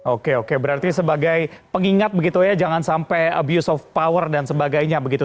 oke oke berarti sebagai pengingat begitu ya jangan sampai abuse of power dan sebagainya begitu